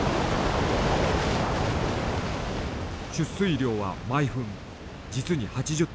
出水量は毎分実に８０ｔ。